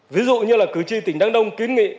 ví dụ như là cử tri tỉnh đăng đông kiến nghị